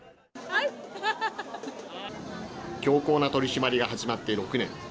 強硬な取締りが始まって６年。